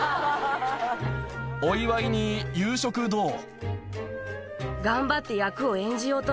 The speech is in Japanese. お祝いに夕食どう？